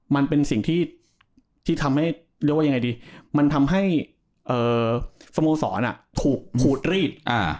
มันเป็นสิ่งที่ทำให้สโมสรถูกขูดรีด